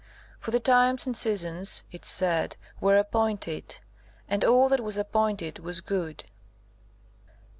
For the times and seasons, (it said,) were appointed, and all that was appointed was good.